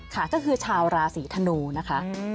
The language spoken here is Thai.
ค่ะก็คือชาวราศีธนูนะคะ